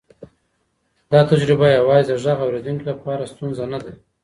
دا تجربه یوازې د غږ اورېدونکي لپاره ستونزه نه ده.